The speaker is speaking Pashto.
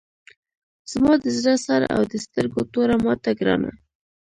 زما د زړه سر او د سترګو توره ماته ګرانه!